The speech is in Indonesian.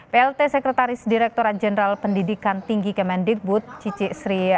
plt sekretaris direkturat jenderal pendidikan tinggi kemendikbud cicik sri